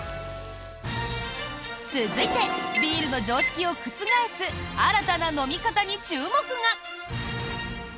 続いて、ビールの常識を覆す新たな飲み方に注目が！